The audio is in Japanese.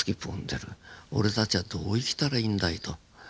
俺たちはどう生きたらいいんだいと。